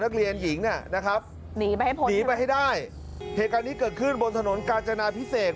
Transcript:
นะครับหนีไปให้พลหนีไปให้ได้เหตุการณ์นี้เกิดขึ้นบนถนนกาจนาพิเศษ